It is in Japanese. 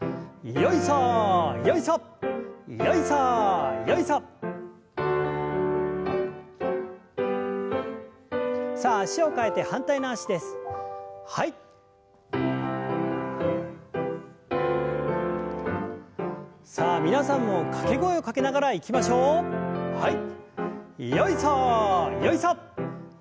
よいさよいさ！